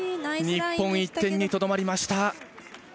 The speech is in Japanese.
日本、１点にとどまりました。